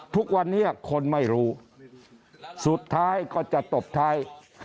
ทุกวันนี้คนไม่รู้สุดท้ายก็จะตบท้าย